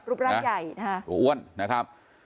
รูปรักใหญ่นะครับอ้วนนะครับ